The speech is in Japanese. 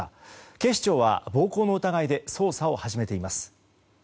警視庁は暴行の疑いで捜査を始めています。